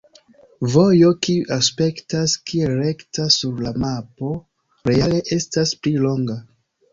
Vojo kiu aspektas kiel rekta sur la mapo reale estas pli longa.